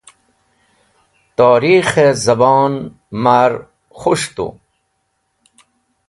Torikh-e zabon ma’r khus̃h tu.